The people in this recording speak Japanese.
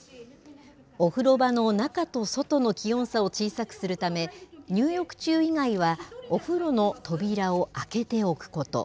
お風呂場の中と外の気温差を小さくするため、入浴中以外はお風呂の扉を開けておくこと。